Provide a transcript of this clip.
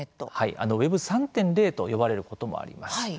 Ｗｅｂ３．０と呼ばれることもあります。